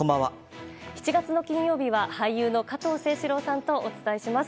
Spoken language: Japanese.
７月の金曜日は俳優の加藤清史郎さんとお伝えします。